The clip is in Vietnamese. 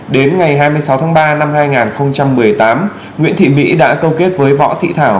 đến ngày hai mươi sáu tháng ba năm hai nghìn một mươi tám nguyễn thị mỹ đã câu kết với võ thị thảo